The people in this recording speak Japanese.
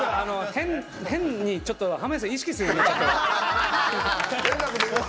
変にちょっと濱家さんを意識するようになっちゃって。